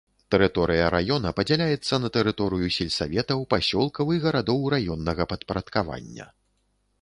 Тэрыторыя раёна падзяляецца на тэрыторыю сельсаветаў, пасёлкаў і гарадоў раённага падпарадкавання.